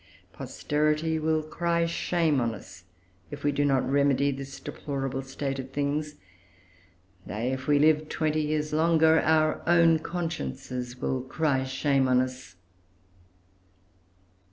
Posterity will cry shame on us if we do not remedy this deplorable state of things. Nay, if we live twenty years longer, our own consciences will cry shame on us.